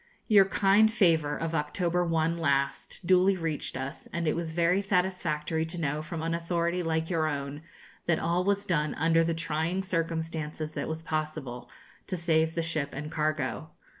Your kind favour of October 1 last duly reached us, and it was very satisfactory to know from an authority like your own, that all was done under the trying circumstances that was possible, to save the ship and cargo.